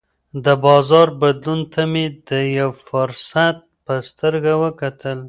د بازار بدلون ته مې د یوه فرصت په سترګه وکتل.